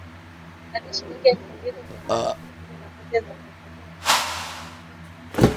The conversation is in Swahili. hadi shilingi elfu mbili mia nane sitini na moja za Tanzania sawa na dola mmoja